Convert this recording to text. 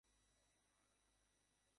Angel, কাজে লাগো।